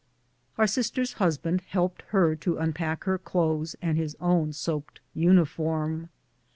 Our sister's husband helped her to unpack her clothes and his own soaked uniform.